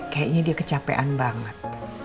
kayaknya dia kecapean banget